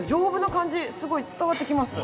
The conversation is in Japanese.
すごい伝わってきます。